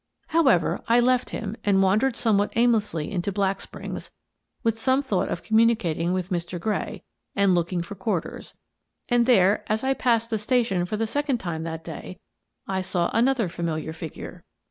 " However, I left him and wandered somewhat aimlessly into Black Springs with some thought of communicating with Mr. Gray and looking for quarters — and there, as I passed the station for the second time that day, I saw another familiar figure.